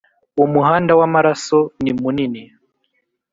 umuhanda w'amaraso nimunini